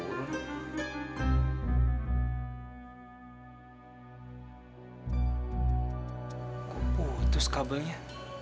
kok putus kabelnya